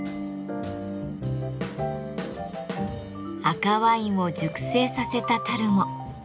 赤ワインを熟成させた樽も。